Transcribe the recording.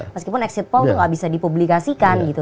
meskipun exit poll itu nggak bisa dipublikasikan gitu